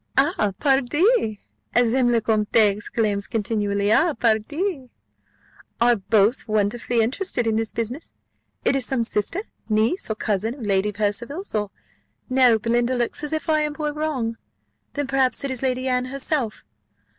"Ah, pardi! as M. le Comte exclaims continually, Ah, pardi! You are both wonderfully interested in this business. It is some sister, niece, or cousin of Lady Anne Percival's; or no, Belinda looks as if I were wrong. Then, perhaps, it is Lady Anne herself?